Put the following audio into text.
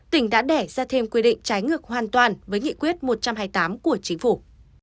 tỉnh đã đẻ ra thêm quy định trái ngược hoàn toàn với nghị quyết một trăm hai mươi tám của chính phủ